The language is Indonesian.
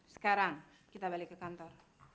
sekarang kita balik ke kantor